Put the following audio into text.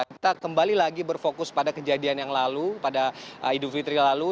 kita kembali lagi berfokus pada kejadian yang lalu pada idul fitri lalu